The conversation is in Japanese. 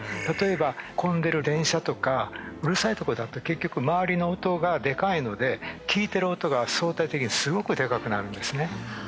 例えば混んでる電車とかうるさいとこだと結局周りの音がでかいので聞いてる音が相対的にすごくでかくなるんですね